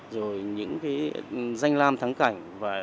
rồi những danh lam thắng cảnh